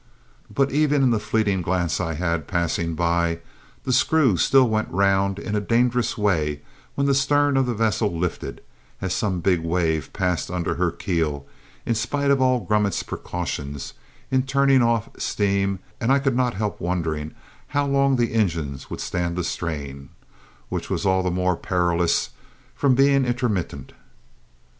But even in the fleeting glance I had passing by, the screw still went round in a dangerous way when the stern of the vessel lifted, as some big wave passed under her keel, in spite of all Grummet's precautions in turning off steam and I could not help wondering how long the engines would stand the strain, which was all the more perilous from being intermittent.